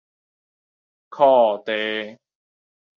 褲袋